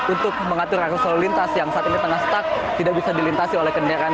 untuk mengatur arus lalu lintas yang saat ini tengah stuck tidak bisa dilintasi oleh kendaraan